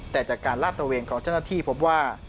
แต่จากการลาดตระเวนของเจ้าหน้าที่พบว่า